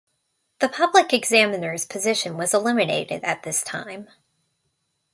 The Public Examiner's position was eliminated at this time.